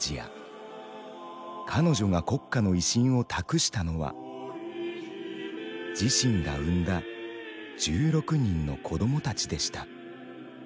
彼女が国家の威信を託したのは自身が産んだ１６人の子どもたちでした。